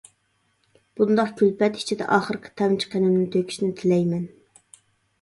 بۇنداق كۈلپەت ئىچىدە ئاخىرقى تامچە قېنىمنى تۆكۈشنى تىلەيمەن.